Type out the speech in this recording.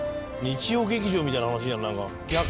日曜劇場みたいな話じゃんなんか。